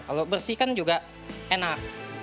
kalau bersih kan juga enak